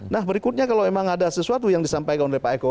nah berikutnya kalau memang ada sesuatu yang disampaikan oleh pak eko